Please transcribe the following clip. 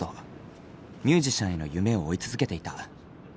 ミュージシャンへの夢を追い続けていた。